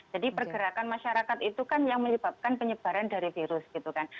jadi pergerakan masyarakat itu kan yang menyebabkan penyebaran dari virus gitu kan